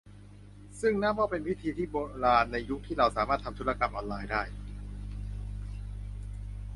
ซึ่งนับว่าเป็นวิธีที่โบราณในยุคที่เราสามารถทำธุรกรรมออนไลน์ได้